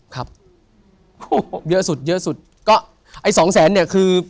ครับโอ้โหเยอะสุดเยอะสุดก็ไอ้สองแสนเนี่ยคือ